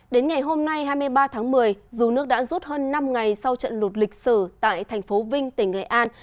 đến ngày hôm nay hai mươi ba tháng một mươi dù nước đã rút hơn năm ngày sau trận lụt lịch sử tại thành phố vinh tỉnh nghệ an